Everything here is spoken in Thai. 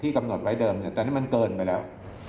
ที่กำหนดไว้เดิมเนี่ยตอนนี้มันเกินไปแล้ว